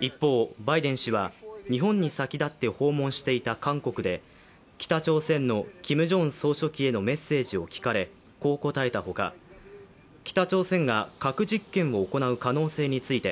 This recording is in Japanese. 一方、バイデン氏は日本に先立って訪問していた韓国で、北朝鮮のキム・ジョンウン総書記へのメッセージを聞かれこう答えたほか、北朝鮮が核実験を行う可能性について